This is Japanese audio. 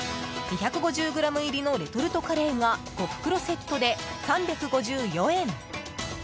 ２５０ｇ入りのレトルトカレーが５袋セットで３５４円。